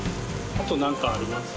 あとなんかあります？